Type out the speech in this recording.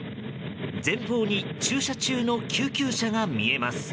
前方に駐車中の救急車が見えます。